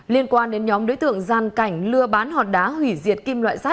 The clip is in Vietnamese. liên quan đến nhóm đối tượng gian cảnh lừa bán hòn đá hủy diệt kim loại sắt